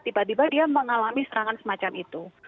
tiba tiba dia mengalami serangan semacam itu